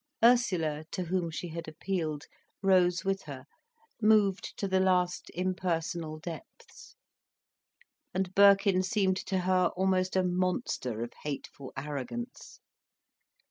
Ursula, to whom she had appealed, rose with her, moved to the last impersonal depths. And Birkin seemed to her almost a monster of hateful arrogance.